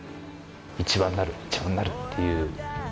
一番になる一番になるっていう。